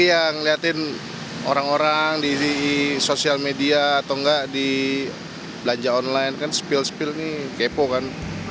iya ngeliatin orang orang di sosial media atau enggak di belanja online kan spill spill ini kepo kan